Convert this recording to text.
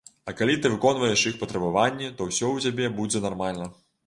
А калі ты выконваеш іх патрабаванні, то ўсё ў цябе будзе нармальна.